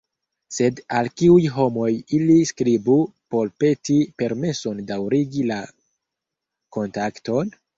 Sed al kiuj homoj ili skribu por peti permeson daŭrigi la kontakton?